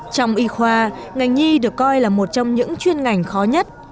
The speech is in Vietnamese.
trong y khoa ngành nhi được coi là một trong những chuyên ngành khó nhất